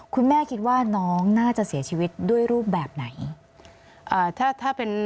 คุณแม่คิดว่าน้องน่าจะเสียชีวิตด้วยรูปแบบไหน